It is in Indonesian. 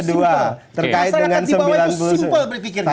masyarakat di bawah itu simple berpikirnya